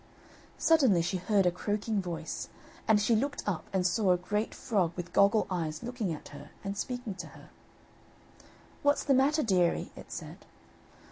Suddenly she heard a croaking voice, and she looked up and saw a great frog with goggle eyes looking at her and speaking to her. "What's the matter, dearie?" it said.